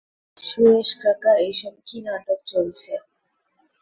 সুরেশ কাকা, এই সব কি নাটক চলছে?